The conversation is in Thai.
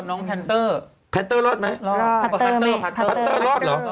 น้องแพนเตอร์รอดไหมพันเตอร์ไม่พันเตอร์รอด